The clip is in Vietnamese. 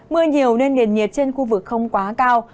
mưa nhiều nên nền nhiệt trên khu vực không quá cao